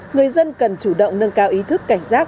người dân cần chủ động nâng cao ý thức cảnh giác